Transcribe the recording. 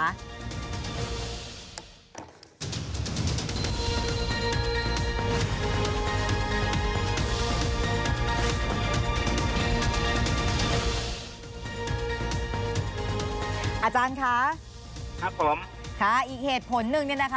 อาจารย์คะครับผมค่ะอีกเหตุผลหนึ่งเนี่ยนะคะ